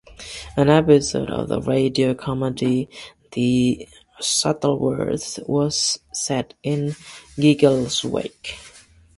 An episode of the radio comedy "The Shuttleworths" was set in Giggleswick.